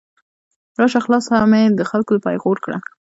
راشه خلاصه مې د خلګو له پیغور کړه